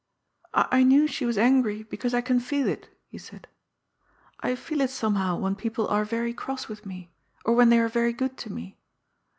" I knew she was angry, because I can feel it," he said? *' I feel it somehow, when people are very cross with me, or when they are very good to me.